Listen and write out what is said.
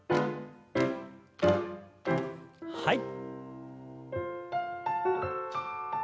はい。